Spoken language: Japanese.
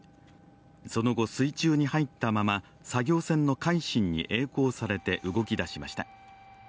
その後、水中に入ったまま、作業船の「海進」にえい航されて動きだしました。